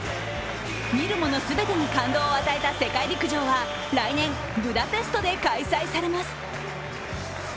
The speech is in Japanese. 見るものすべてに感動を与えた世界陸上は来年ブタペストで開催されます。